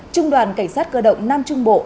trung đoàn cảnh sát cơ động nam trung bộ